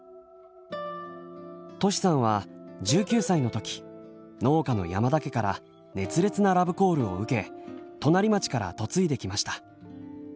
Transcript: としさんは１９歳の時農家の山田家から熱烈なラブコールを受け隣町から嫁いできました。